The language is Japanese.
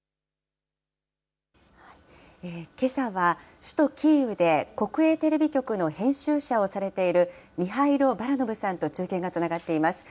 けさは、首都キーウで国営テレビ局の編集者をされている、ミハイロ・バラノブさんと中継がつながっています。